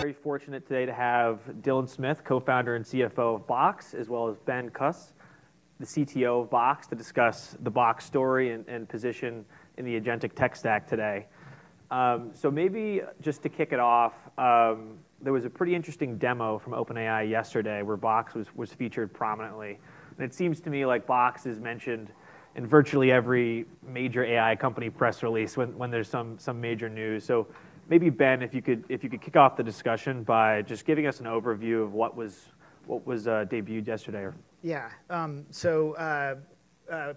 Very fortunate today to have Dylan Smith, Co-founder and CFO of Box, as well as Ben Kus, the CTO of Box, to discuss the Box story and position in the agentic tech stack today. Maybe just to kick it off, there was a pretty interesting demo from OpenAI yesterday where Box was featured prominently. It seems to me like Box is mentioned in virtually every major AI company press release when there's some major news. Maybe, Ben, if you could kick off the discussion by just giving us an overview of what was debuted yesterday. Yeah.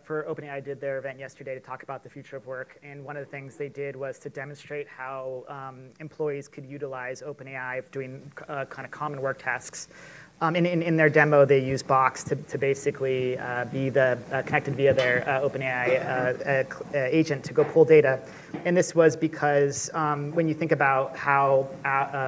For OpenAI did their event yesterday to talk about the future of work, and one of the things they did was to demonstrate how employees could utilize OpenAI doing common work tasks. In their demo, they used Box to basically be the connected via their OpenAI agent to go pull data. This was because when you think about how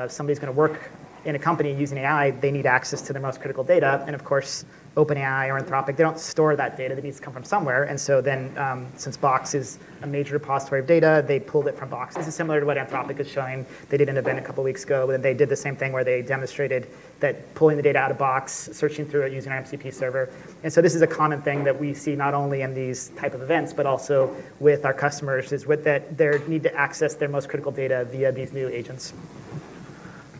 somebody's going to work in a company using AI, they need access to their most critical data. Of course, OpenAI or Anthropic, they don't store that data. That needs to come from somewhere. Since Box is a major repository of data, they pulled it from Box. This is similar to what Anthropic is showing. They did an event a couple of weeks ago, and they did the same thing where they demonstrated that pulling the data out of Box, searching through it using our MCP server. This is a common thing that we see not only in these type of events, but also with our customers, is with their need to access their most critical data via these new agents.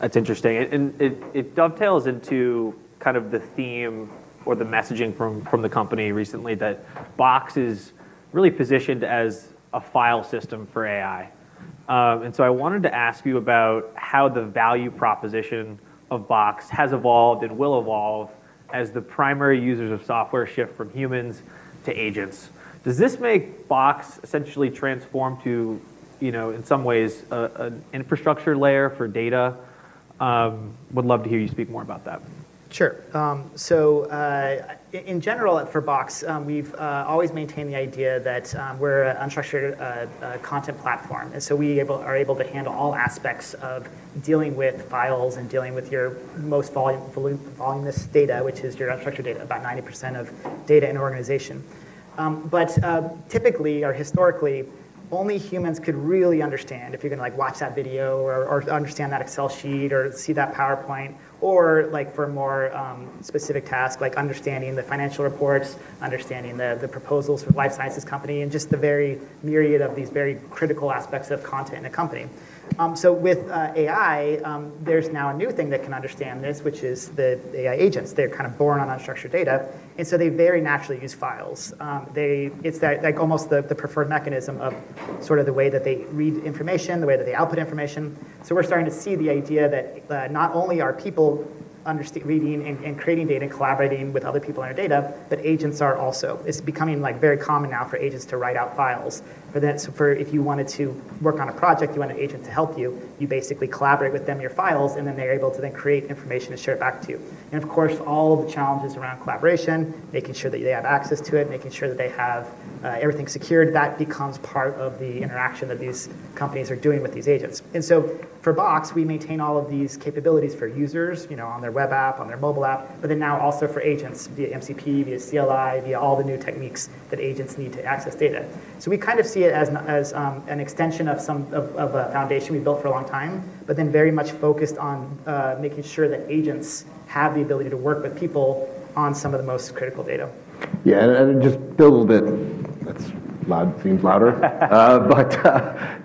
That's interesting. It dovetails into the theme or the messaging from the company recently that Box is really positioned as a file system for AI. I wanted to ask you about how the value proposition of Box has evolved and will evolve as the primary users of software shift from humans to agents. Does this make Box essentially transform to, in some ways, an infrastructure layer for data? Would love to hear you speak more about that. Sure. In general for Box, we've always maintained the idea that we're an unstructured content platform. We are able to handle all aspects of dealing with files and dealing with your most voluminous data, which is your unstructured data, about 90% of data in an organization. Typically, or historically, only humans could really understand if you're going to watch that video or understand that Excel sheet or see that PowerPoint or for a more specific task, like understanding the financial reports, understanding the proposals for life sciences company, and just the very myriad of these very critical aspects of content in a company. With AI, there's now a new thing that can understand this, which is the AI agents. They're kind of born on unstructured data, and so they very naturally use files. It's like almost the preferred mechanism of sort of the way that they read information, the way that they output information. We're starting to see the idea that not only are people reading and creating data, collaborating with other people in our data, but agents are also. It's becoming very common now for agents to write out files. If you wanted to work on a project, you want an agent to help you basically collaborate with them your files, and then they're able to then create information and share it back to you. Of course, all of the challenges around collaboration, making sure that they have access to it, making sure that they have everything secured, that becomes part of the interaction that these companies are doing with these agents. For Box, we maintain all of these capabilities for users, on their web app, on their mobile app, now also for agents via MCP, via CLI, via all the new techniques that agents need to access data. We kind of see it as an extension of a foundation we've built for a long time, very much focused on making sure that agents have the ability to work with people on some of the most critical data. Just build a bit. That seems louder.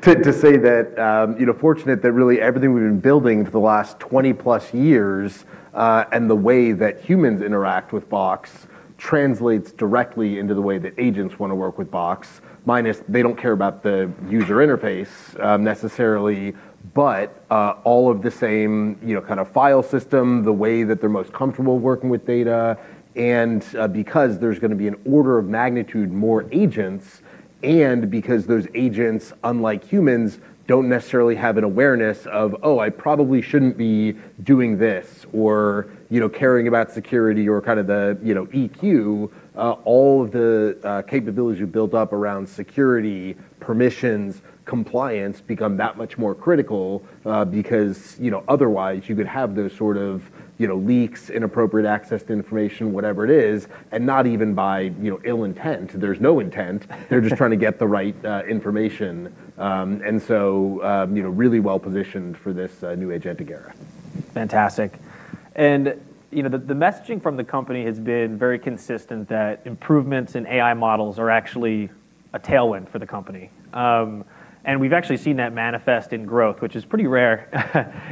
To say that, fortunate that really everything we've been building for the last 20+ years, and the way that humans interact with Box translates directly into the way that agents want to work with Box, minus they don't care about the user interface necessarily, but all of the same kind of file system, the way that they're most comfortable working with data, and because there's going to be an order of magnitude more agents, and because those agents, unlike humans, don't necessarily have an awareness of, oh, I probably shouldn't be doing this or caring about security or kind of the EQ, all of the capabilities you build up around security, permissions, compliance become that much more critical because otherwise you could have those sort of leaks, inappropriate access to information, whatever it is, and not even by ill intent. There's no intent. They're just trying to get the right information. Really well-positioned for this new agentic era. Fantastic. The messaging from the company has been very consistent that improvements in AI models are actually a tailwind for the company. We've actually seen that manifest in growth, which is pretty rare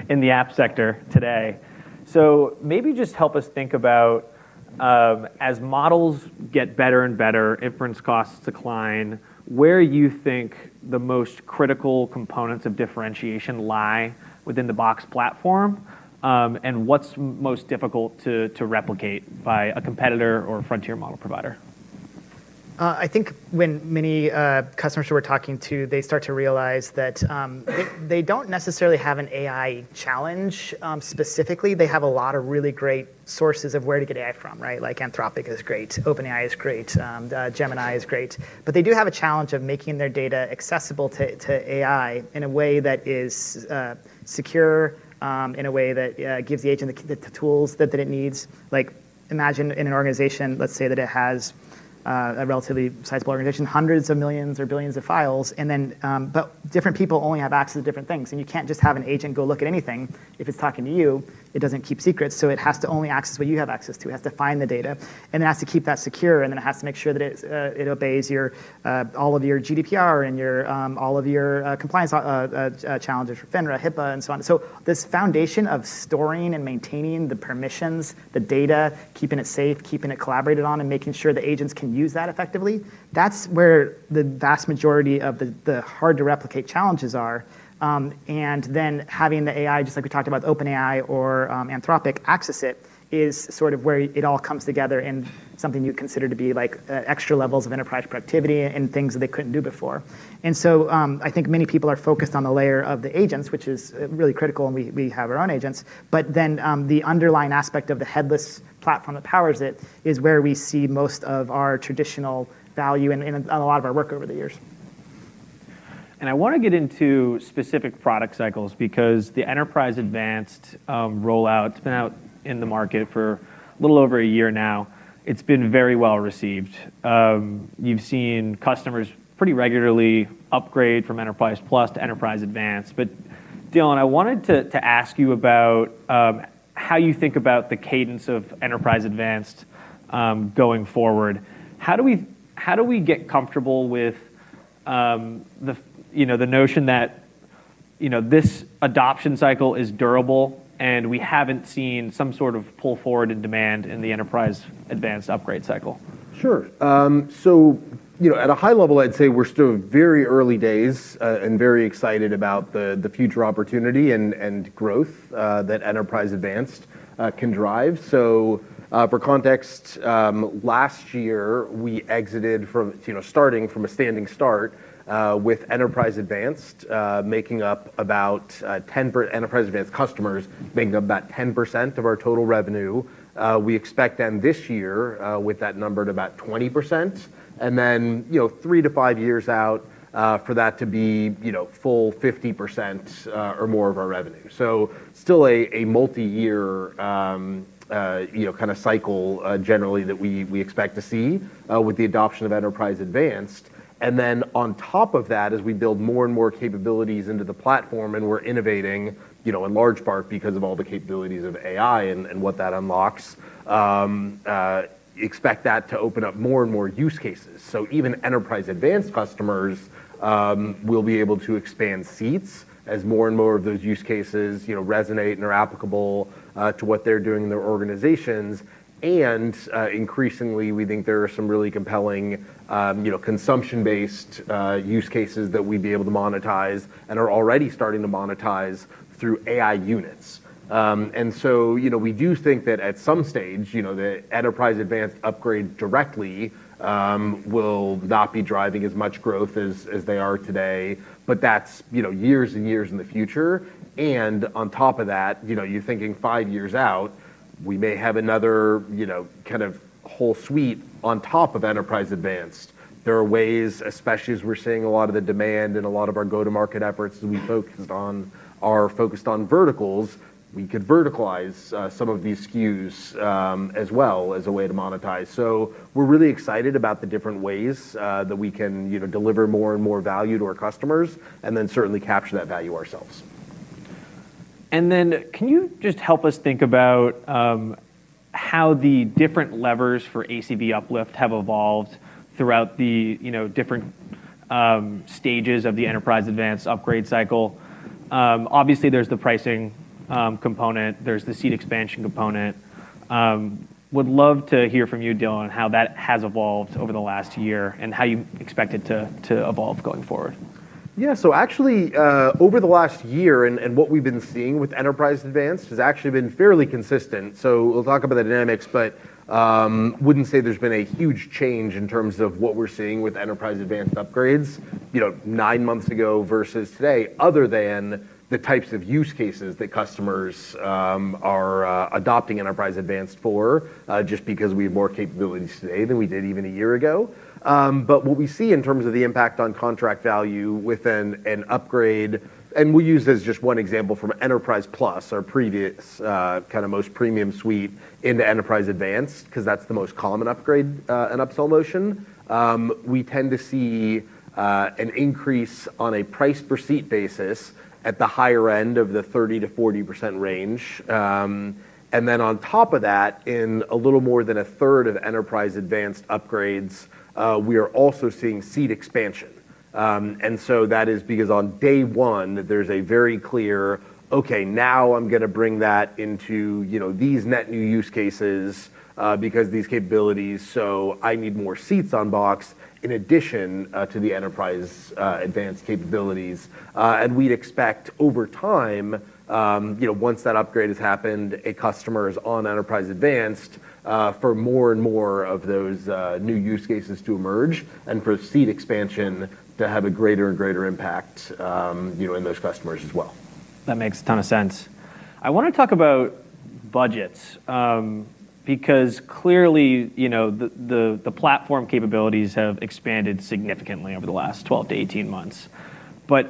in the app sector today. Maybe just help us think about as models get better and better, inference costs decline, where you think the most critical components of differentiation lie within the Box platform, and what's most difficult to replicate by a competitor or a frontier model provider? I think when many customers who we're talking to, they start to realize that they don't necessarily have an AI challenge, specifically. They have a lot of really great sources of where to get AI from, right? Like Anthropic is great, OpenAI is great, Gemini is great. They do have a challenge of making their data accessible to AI in a way that is secure, in a way that gives the agent the tools that it needs. Imagine in an organization, let's say that it has a relatively sizable organization, hundreds of millions or billions of files, but different people only have access to different things, and you can't just have an agent go look at anything. If it's talking to you, it doesn't keep secrets, so it has to only access what you have access to. It has to find the data, and it has to keep that secure, and then it has to make sure that it obeys all of your GDPR and all of your compliance challenges for FINRA, HIPAA, and so on. This foundation of storing and maintaining the permissions, the data, keeping it safe, keeping it collaborated on, and making sure the agents can use that effectively, that's where the vast majority of the hard-to-replicate challenges are. Having the AI, just like we talked about, OpenAI or Anthropic access it, is sort of where it all comes together in something you'd consider to be extra levels of enterprise productivity and things that they couldn't do before. I think many people are focused on the layer of the agents, which is really critical, and we have our own agents. The underlying aspect of the headless platform that powers it is where we see most of our traditional value and a lot of our work over the years. I want to get into specific product cycles because the Enterprise Advanced rollout, it's been out in the market for a little over a year now. It's been very well received. You've seen customers pretty regularly upgrade from Enterprise Plus to Enterprise Advanced. Dylan, I wanted to ask you about how you think about the cadence of Enterprise Advanced going forward. How do we get comfortable with the notion that this adoption cycle is durable and we haven't seen some sort of pull-forward in demand in the Enterprise Advanced upgrade cycle? Sure. At a high level, I'd say we're still very early days and very excited about the future opportunity and growth that Enterprise Advanced can drive. For context, last year we exited from starting from a standing start with Enterprise Advanced customers making up about 10% of our total revenue. We expect them this year with that number to about 20%. Three to five years out for that to be full 50% or more of our revenue. Still a multi-year kind of cycle generally that we expect to see with the adoption of Enterprise Advanced. On top of that, as we build more and more capabilities into the platform and we're innovating in large part because of all the capabilities of AI and what that unlocks, expect that to open up more and more use cases. Even Enterprise Advanced customers will be able to expand seats as more and more of those use cases resonate and are applicable to what they're doing in their organizations. Increasingly, we think there are some really compelling consumption-based use cases that we'd be able to monetize and are already starting to monetize through AI Units. We do think that at some stage, the Enterprise Advanced upgrade directly will not be driving as much growth as they are today, but that's years and years in the future. On top of that, you're thinking five years out, we may have another kind of whole suite on top of Enterprise Advanced. There are ways, especially as we're seeing a lot of the demand and a lot of our go-to-market efforts that we focused on are focused on verticals, we could verticalize some of these SKUs as well as a way to monetize. We're really excited about the different ways that we can deliver more and more value to our customers and then certainly capture that value ourselves. Can you just help us think about how the different levers for ACB uplift have evolved throughout the different stages of the Enterprise Advanced upgrade cycle? Obviously, there's the pricing component, there's the seat expansion component. Would love to hear from you, Dylan, how that has evolved over the last year and how you expect it to evolve going forward. Actually, over the last year and what we've been seeing with Enterprise Advanced has actually been fairly consistent. We'll talk about the dynamics, but wouldn't say there's been a huge change in terms of what we're seeing with Enterprise Advanced upgrades nine months ago versus today, other than the types of use cases that customers are adopting Enterprise Advanced for, just because we have more capabilities today than we did even a year ago. What we see in terms of the impact on contract value with an upgrade, and we use as just one example from Enterprise Plus, our previous kind of most premium suite into Enterprise Advanced, because that's the most common upgrade and upsell motion. We tend to see an increase on a price per seat basis at the higher end of the 30%-40% range. Then on top of that, in a little more than a third of Enterprise Advanced upgrades, we are also seeing seat expansion. So that is because on day one, there's a very clear, okay, now I'm going to bring that into these net new use cases because these capabilities, so I need more seats on Box in addition to the Enterprise Advanced capabilities. We expect over time, once that upgrade has happened, a customer is on Enterprise Advanced for more and more of those new use cases to emerge and for seat expansion to have a greater and greater impact in those customers as well. That makes a ton of sense. I want to talk about budgets. Clearly, the platform capabilities have expanded significantly over the last 12 to 18 months.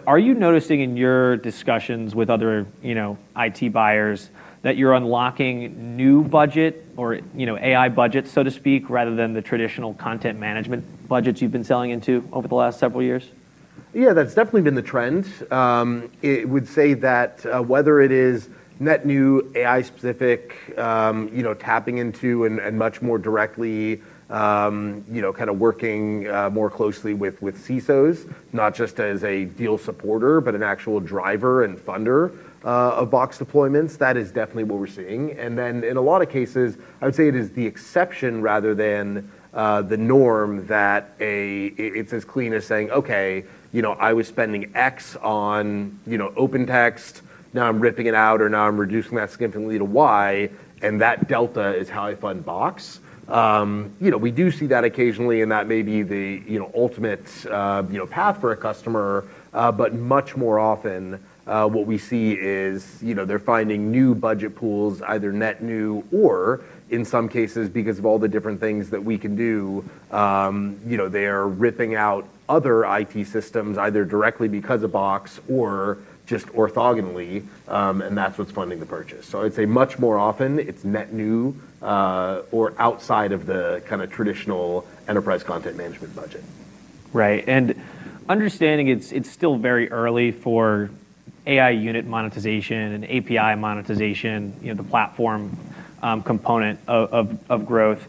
Are you noticing in your discussions with other IT buyers that you're unlocking new budget or AI budget, so to speak, rather than the traditional content management budgets you've been selling into over the last several years? Yeah, that's definitely been the trend. I would say that whether it is net new AI specific, tapping into and much more directly, working more closely with CISOs, not just as a deal supporter, but an actual driver and funder of Box deployments, that is definitely what we're seeing. In a lot of cases, I would say it is the exception rather than the norm that it's as clean as saying, okay, I was spending X on OpenText, now I'm ripping it out, or now I'm reducing that significantly to Y, and that delta is how I fund Box. We do see that occasionally, and that may be the ultimate path for a customer. Much more often, what we see is they're finding new budget pools, either net new or in some cases, because of all the different things that we can do, they are ripping out other IT systems either directly because of Box or just orthogonally. That's what's funding the purchase. I'd say much more often it's net new, or outside of the traditional enterprise content management budget. Right. Understanding it's still very early for AI Unit monetization and API monetization, the platform component of growth.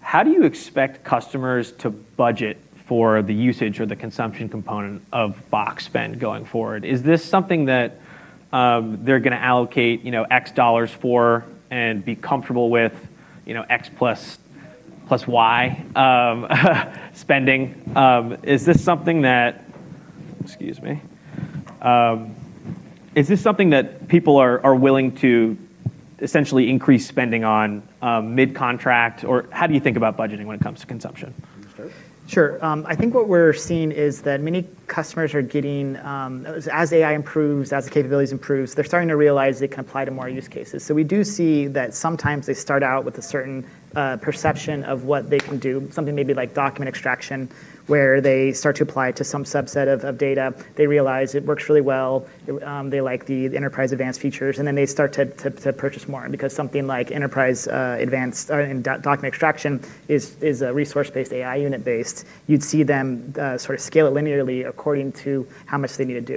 How do you expect customers to budget for the usage or the consumption component of Box spend going forward? Is this something that they're going to allocate X dollars for and be comfortable with X plus Y spending? Excuse me. Is this something that people are willing to essentially increase spending on mid-contract, or how do you think about budgeting when it comes to consumption? You start? Sure. I think what we're seeing is that many customers are getting, as AI improves, as the capabilities improves, they're starting to realize they can apply to more use cases. We do see that sometimes they start out with a certain perception of what they can do, something maybe like document extraction, where they start to apply it to some subset of data. They realize it works really well. They like the Enterprise Advanced features, then they start to purchase more. Something like Enterprise Advanced and document extraction is resource-based, AI Unit-based. You'd see them sort of scale it linearly according to how much they need to do.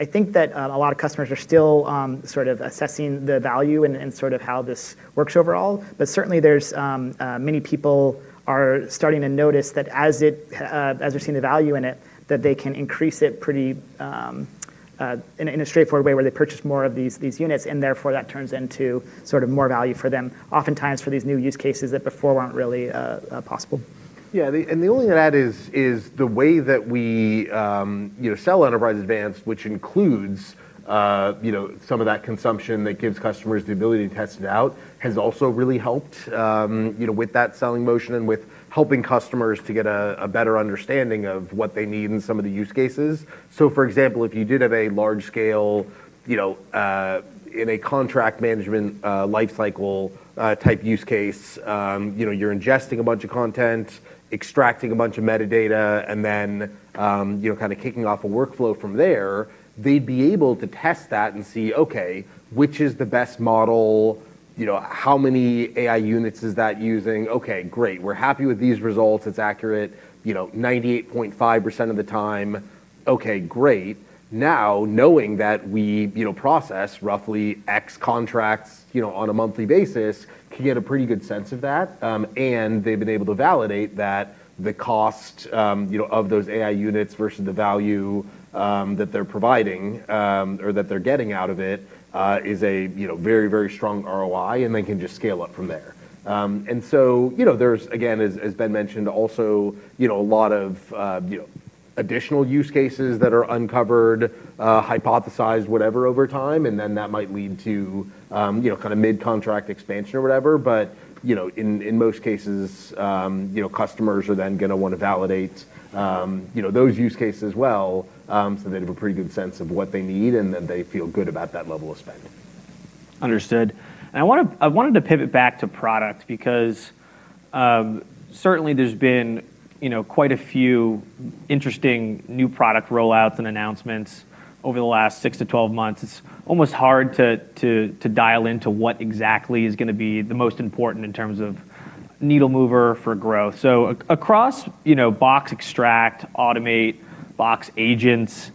I think that a lot of customers are still sort of assessing the value and sort of how this works overall. Certainly many people are starting to notice that as they're seeing the value in it, that they can increase it in a straightforward way, where they purchase more of these units, and therefore, that turns into more value for them, oftentimes, for these new use cases that before weren't really possible. The only thing to add is the way that we sell Enterprise Advanced, which includes some of that consumption that gives customers the ability to test it out, has also really helped with that selling motion and with helping customers to get a better understanding of what they need in some of the use cases. For example, if you did have a large scale, in a contract management life cycle type use case, you're ingesting a bunch of content, extracting a bunch of metadata, and then you're kind of kicking off a workflow from there. They'd be able to test that and see, okay, which is the best model? How many AI Units is that using? Okay, great. We're happy with these results. It's accurate 98.5% of the time. Okay, great. Knowing that we process roughly X contracts on a monthly basis, can get a pretty good sense of that. They've been able to validate that the cost of those AI Units versus the value that they're providing, or that they're getting out of it is a very strong ROI, and they can just scale up from there. There's, again, as Ben mentioned, also a lot of additional use cases that are uncovered, hypothesized, whatever, over time, and then that might lead to mid-contract expansion or whatever. In most cases, customers are then going to want to validate those use cases well, so they have a pretty good sense of what they need and then they feel good about that level of spend. Understood. I wanted to pivot back to product because certainly there's been quite a few interesting new product roll-outs and announcements over the last 6-12 months. It's almost hard to dial into what exactly is going to be the most important in terms of needle mover for growth. Across Box Extract, Automate, Box Agents,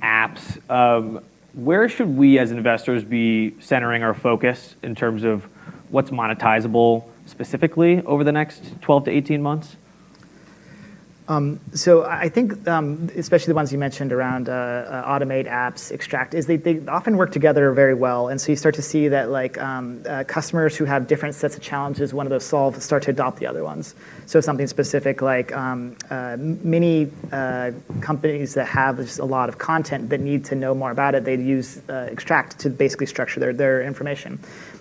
Apps, where should we as investors be centering our focus in terms of what's monetizable specifically over the next 12-18 months? I think, especially the ones you mentioned around Automate, Apps, Extract, is they often work together very well, and so you start to see that customers who have different sets of challenges, one of those solved start to adopt the other ones. Something specific like many companies that have a lot of content but need to know more about it, they'd use Extract to basically structure their information.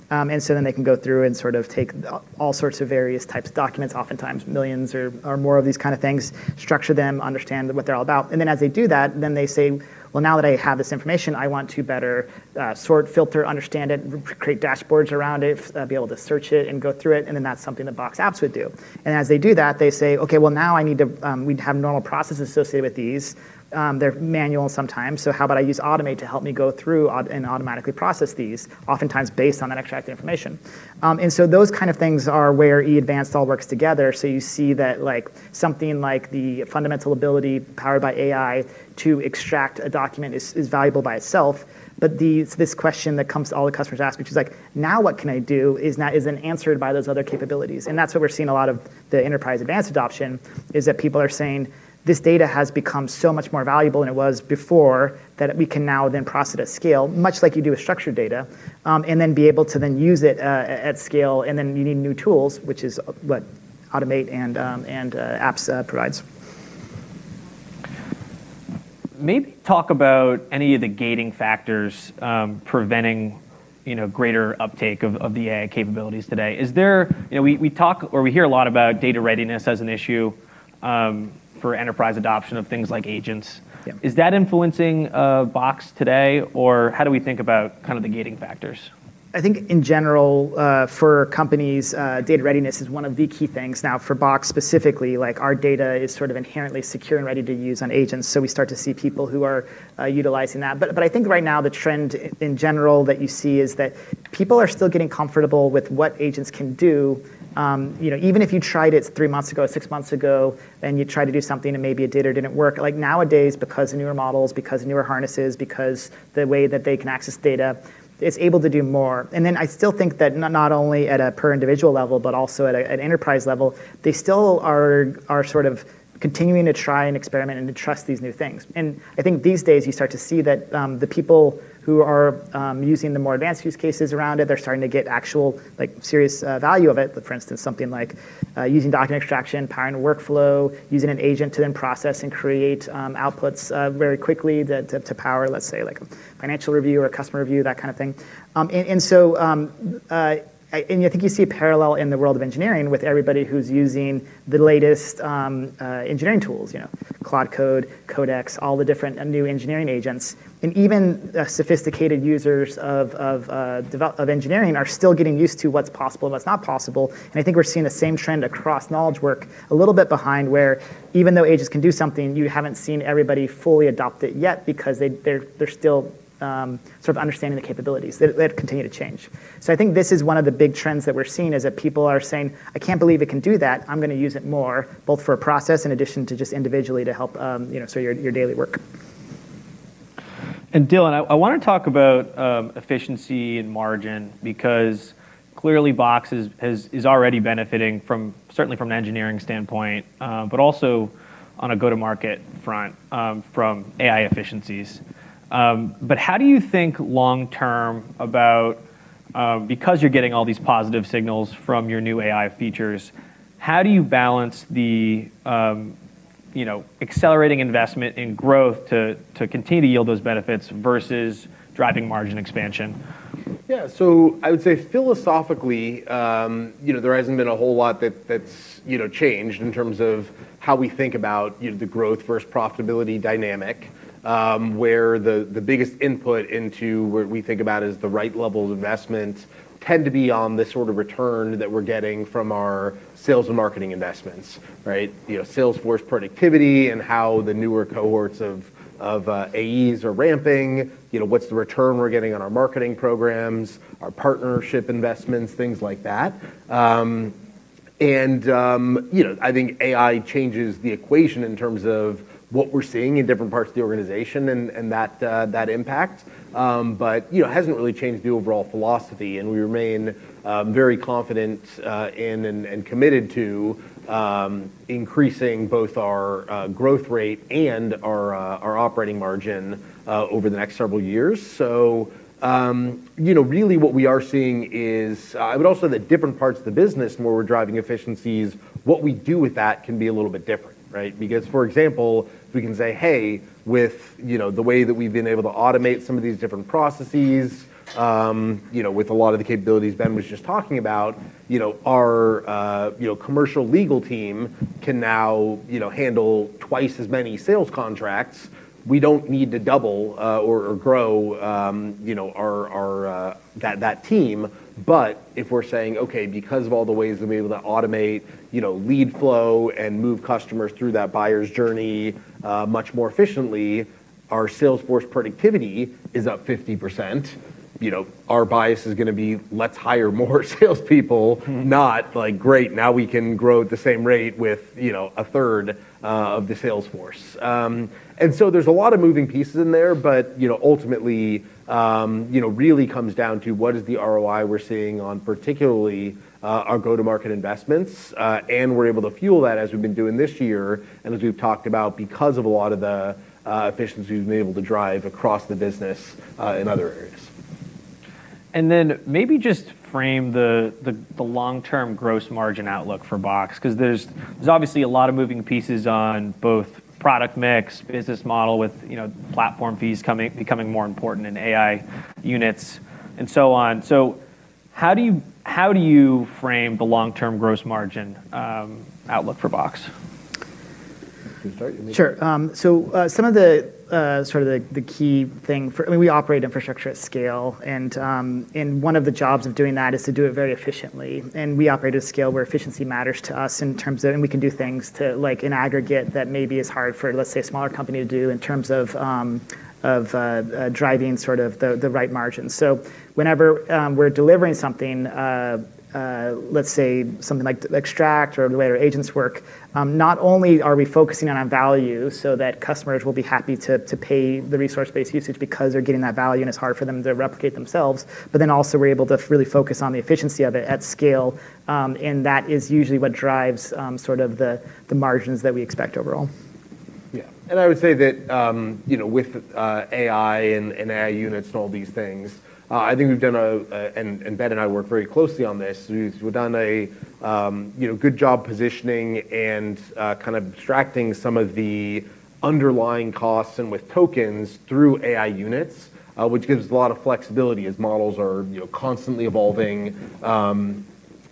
They can go through and sort of take all sorts of various types of documents, oftentimes millions or more of these kind of things, structure them, understand what they're all about. As they do that, they say, well, now that I have this information, I want to better sort, filter, understand it, create dashboards around it, be able to search it, and go through it. That's something that Box Apps would do. As they do that, they say, okay, well, now we'd have normal processes associated with these. They're manual sometimes, so how about I use Automate to help me go through and automatically process these, oftentimes based on that extracted information. Those kind of things are where eAdvanced all works together. You see that something like the fundamental ability powered by AI to extract a document is valuable by itself. This question that comes, all the customers ask, which is, "Now what can I do?" Is answered by those other capabilities. That's where we're seeing a lot of the Enterprise Advanced adoption, is that people are saying, this data has become so much more valuable than it was before, that we can now then process it at scale, much like you do with structured data, and then be able to then use it at scale, and then you need new tools, which is what Automate and Apps provides. Maybe talk about any of the gating factors preventing greater uptake of the AI capabilities today. We talk or we hear a lot about data readiness as an issue for enterprise adoption of things like agents. Yeah. Is that influencing Box today? Or how do we think about the gating factors? I think in general, for companies, data readiness is one of the key things. For Box specifically, our data is sort of inherently secure and ready to use on agents, so we start to see people who are utilizing that. I think right now the trend in general that you see is that people are still getting comfortable with what agents can do. Even if you tried it three months ago, six months ago, and you tried to do something and maybe it did or didn't work, nowadays because of newer models, because of newer harnesses, because the way that they can access data, it's able to do more. I still think that not only at a per individual level, but also at an enterprise level, they still are sort of continuing to try and experiment and to trust these new things. I think these days you start to see that the people who are using the more advanced use cases around it, they're starting to get actual serious value of it. For instance, something like using document extraction, powering a workflow, using an agent to then process and create outputs very quickly to power, let's say, a financial review or a customer review, that kind of thing. I think you see a parallel in the world of engineering with everybody who's using the latest engineering tools. Claude Code, Codex, all the different and new engineering agents. Even sophisticated users of engineering are still getting used to what's possible and what's not possible. I think we're seeing the same trend across knowledge work a little bit behind, where even though agents can do something, you haven't seen everybody fully adopt it yet because they're still sort of understanding the capabilities. They continue to change. I think this is one of the big trends that we're seeing, is that people are saying, I can't believe it can do that. I'm going to use it more, both for a process, in addition to just individually to help your daily work. Dylan, I want to talk about efficiency and margin, because clearly Box is already benefiting certainly from an engineering standpoint, also on a go-to-market front from AI efficiencies. How do you think long term about, because you're getting all these positive signals from your new AI features, how do you balance the accelerating investment in growth to continue to yield those benefits versus driving margin expansion? I would say philosophically, there hasn't been a whole lot that's changed in terms of how we think about the growth versus profitability dynamic, where the biggest input into what we think about is the right level of investment tend to be on the sort of return that we're getting from our sales and marketing investments, right? Sales force productivity and how the newer cohorts of AEs are ramping. What's the return we're getting on our marketing programs, our partnership investments, things like that. I think AI changes the equation in terms of what we're seeing in different parts of the organization and that impact. It hasn't really changed the overall philosophy, and we remain very confident and committed to increasing both our growth rate and our operating margin over the next several years. Really what we are seeing is, and also the different parts of the business where we're driving efficiencies, what we do with that can be a little bit different, right? For example, we can say, hey, with the way that we've been able to automate some of these different processes with a lot of the capabilities Ben was just talking about, our commercial legal team can now handle twice as many sales contracts. We don't need to double or grow that team. If we're saying, okay, because of all the ways we've been able to automate lead flow and move customers through that buyer's journey much more efficiently, our sales force productivity is up 50%, our bias is going to be let's hire more salespeople, not like, great, now we can grow at the same rate with 1/3 of the sales force. There's a lot of moving pieces in there, but ultimately, really comes down to what is the ROI we're seeing on particularly our go-to-market investments, and we're able to fuel that as we've been doing this year, and as we've talked about, because of a lot of the efficiencies we've been able to drive across the business in other areas. Maybe just frame the long-term gross margin outlook for Box, because there's obviously a lot of moving pieces on both product mix, business model with platform fees becoming more important, and AI Units, and so on. How do you frame the long-term gross margin outlook for Box? Can you start? Sure. Some of the key thing for We operate infrastructure at scale, and one of the jobs of doing that is to do it very efficiently. We operate at a scale where efficiency matters to us in terms of, we can do things to like in aggregate that maybe is hard for, let's say, a smaller company to do in terms of driving the right margins. Whenever we're delivering something, let's say something like Box Extract or the way our Box Agents work, not only are we focusing on value so that customers will be happy to pay the resource-based usage because they're getting that value and it's hard for them to replicate themselves, also we're able to really focus on the efficiency of it at scale. That is usually what drives the margins that we expect overall. Yeah. I would say that with AI and AI units and all these things, Ben and I work very closely on this. We've done a good job positioning and kind of abstracting some of the underlying costs and with tokens through AI units, which gives a lot of flexibility as models are constantly evolving,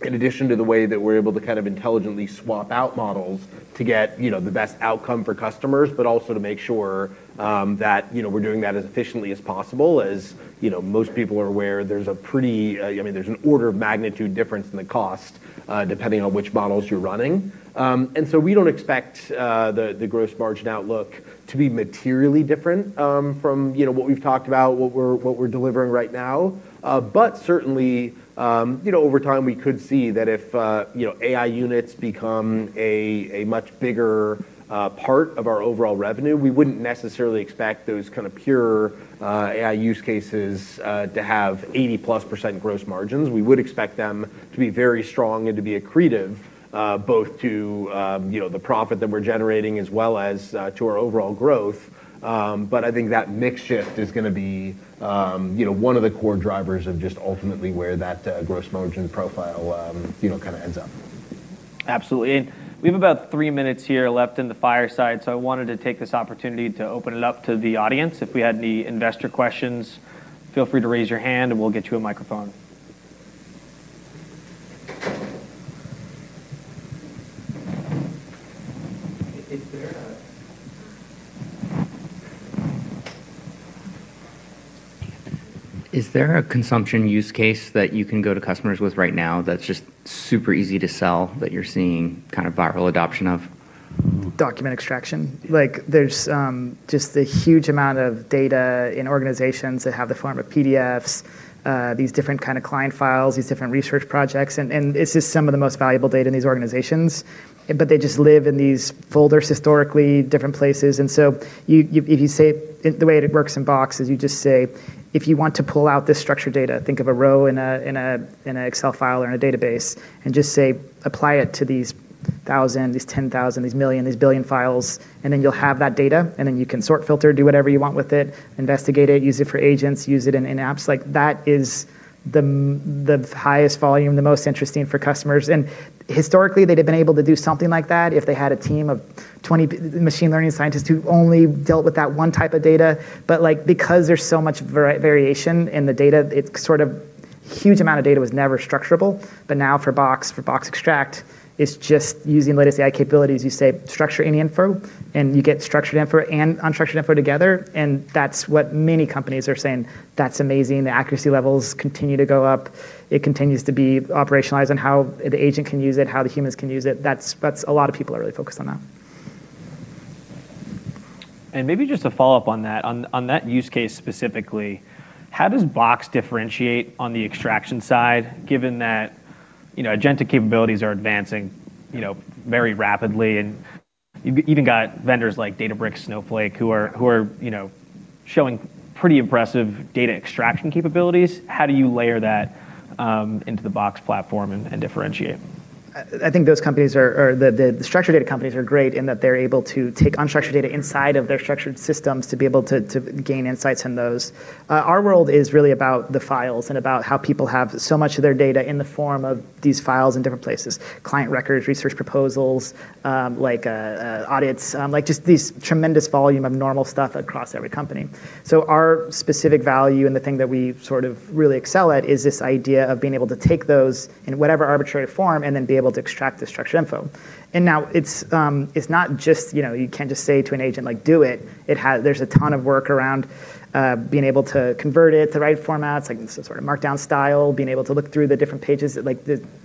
in addition to the way that we're able to kind of intelligently swap out models to get the best outcome for customers, but also to make sure that we're doing that as efficiently as possible. As most people are aware, there's an order of magnitude difference in the cost, depending on which models you're running. We don't expect the gross margin outlook to be materially different from what we've talked about, what we're delivering right now. Certainly, over time, we could see that if AI Units become a much bigger part of our overall revenue, we wouldn't necessarily expect those kind of pure AI use cases to have 80-plus% gross margins. We would expect them to be very strong and to be accretive, both to the profit that we're generating as well as to our overall growth. I think that mix shift is going to be one of the core drivers of just ultimately where that gross margin profile kind of ends up. Absolutely. We have about three minutes here left in the fireside, so I wanted to take this opportunity to open it up to the audience. If we had any investor questions, feel free to raise your hand, and we'll get you a microphone. Is there a consumption use case that you can go to customers with right now that's just super easy to sell, that you're seeing kind of viral adoption of? Document extraction. Yeah. There's just a huge amount of data in organizations that have the form of PDFs, these different kind of client files, these different research projects, and it's just some of the most valuable data in these organizations. They just live in these folders historically, different places. The way that it works in Box is you just say, if you want to pull out this structured data, think of a row in an Excel file or in a database and just say, apply it to these 1,000, these 10,000, these million, these billion files, and then you'll have that data, and then you can sort, filter, do whatever you want with it, investigate it, use it for agents, use it in apps. That is the highest volume, the most interesting for customers. Historically, they'd have been able to do something like that if they had a team of 20 machine learning scientists who only dealt with that one type of data. Because there's so much variation in the data, it's sort of huge amount of data was never structurable. Now for Box, for Box Extract, it's just using latest AI capabilities. You say, structure any info, and you get structured info and unstructured info together, and that's what many companies are saying. That's amazing. The accuracy levels continue to go up. It continues to be operationalized on how the agent can use it, how the humans can use it. A lot of people are really focused on that. Maybe just to follow up on that, on that use case specifically, how does Box differentiate on the extraction side, given that agentic capabilities are advancing very rapidly, and you've even got vendors like Databricks, Snowflake, who are showing pretty impressive data extraction capabilities. How do you layer that into the Box platform and differentiate? I think the structured data companies are great in that they're able to take unstructured data inside of their structured systems to be able to gain insights from those. Our world is really about the files and about how people have so much of their data in the form of these files in different places, client records, research proposals, audits, just this tremendous volume of normal stuff across every company. Our specific value and the thing that we sort of really excel at is this idea of being able to take those in whatever arbitrary form and then be able to extract the structured info. Now you can't just say to an agent, do it. There's a ton of work around being able to convert it to the right formats, like some sort of markdown style, being able to look through the different pages.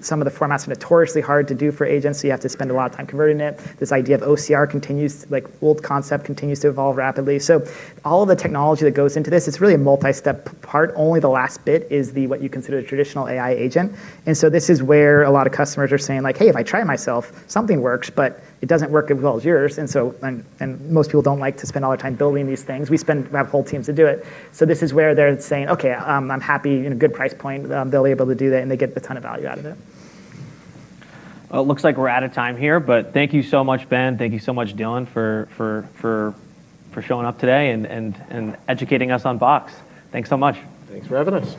Some of the formats are notoriously hard to do for agents, so you have to spend a lot of time converting it. This idea of OCR continues, like old concept continues to evolve rapidly. All of the technology that goes into this, it's really a multi-step part. Only the last bit is what you consider a traditional AI agent. This is where a lot of customers are saying, hey, if I try myself, something works, but it doesn't work as well as yours. Most people don't like to spend all their time building these things. We have whole teams to do it. This is where they're saying, okay, I'm happy in a good price point. They'll be able to do that, and they get the ton of value out of it. Well, it looks like we're out of time here. Thank you so much, Ben, thank you so much, Dylan, for showing up today and educating us on Box. Thanks so much. Thanks for having us.